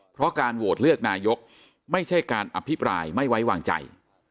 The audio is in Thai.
เพราะการโหวตเลือกนายกไม่ใช่การอภิปรายไม่ไว้วางใจ